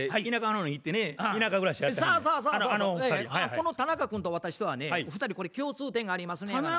この田中君と私とはね２人これ共通点がありますのやがな。